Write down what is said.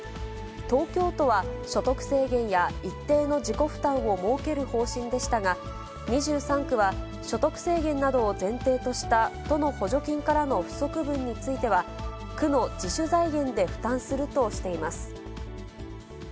東京都は所得制限や一定の自己負担を設ける方針でしたが、２３区は所得制限などを前提とした都の補助金からの不足分については、区の自主財源で負担するとしています。